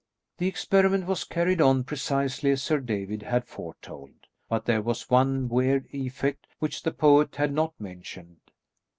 The experiment was carried on precisely as Sir David had foretold, but there was one weird effect which the poet had not mentioned.